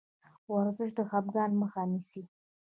ورزش د خفګان مخه نیسي.